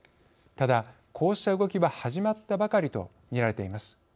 ただ、こうした動きは始まったばかりとみられています。